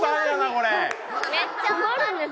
これ！